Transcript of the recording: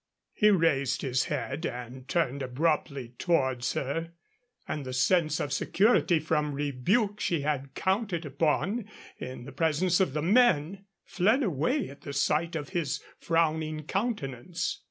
He raised his head and turned abruptly towards her, and the sense of security from rebuke she had counted upon, in the presence of the men, fled away at the sight of his frowning countenance.